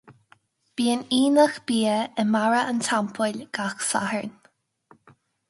Bíonn aonach bia i mBarra an Teampaill gach Satharn.